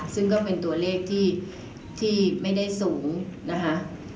ซึ่งก็เป็นตัวเลขที่ไม่ได้สูงนะคะ